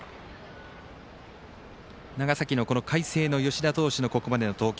長崎・海星の吉田投手のここまでの投球。